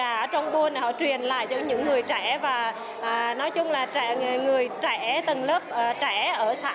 dân hóa trong buôn truyền lại cho những người trẻ và nói chung là trẻ người trẻ từ lớp trẻ ở xã